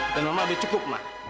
dan mama udah cukup ma